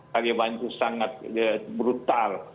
taliban itu sangat brutal